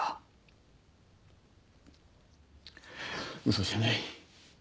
嘘じゃない。